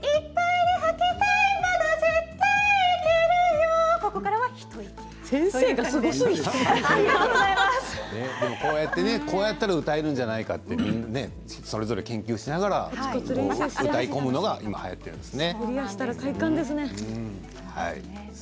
「試したいな」でもこうやったら歌えるんじゃないかなってそれぞれ研究しながら歌い込むのがはやっているんですね。